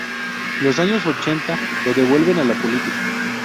Los años ochenta lo devuelven a la política.